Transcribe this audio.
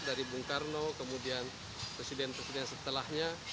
dari bung karno kemudian presiden presiden setelahnya